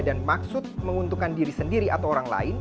dan maksud menguntukkan diri sendiri atau orang lain